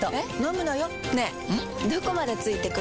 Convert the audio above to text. どこまで付いてくる？